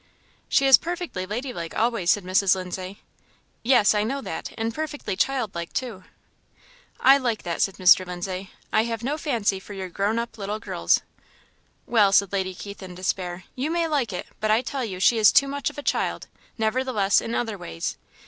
"She is perfectly lady like always," said Mrs. Lindsay. "Yes, I know that, and perfectly child like too." "I like that," said Mr. Lindsay: "I have no fancy for your grown up little girls." "Well," said Lady Keith, in despair, "you may like it; but I tell you she is too much of a child, nevertheless, in other ways.